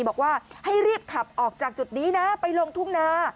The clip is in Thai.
บอกว่าให้รีบขับออกจากจุดนี้นะไปลงทุ่งนา